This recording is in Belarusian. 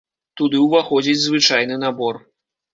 Туды ўваходзіць звычайны набор.